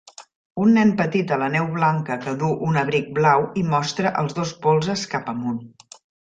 un nen petit a la neu blanca que duu un abric blau i mostra els dos polzes cap amunt.